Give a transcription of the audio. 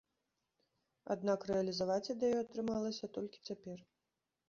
Аднак рэалізаваць ідэю атрымалася толькі цяпер.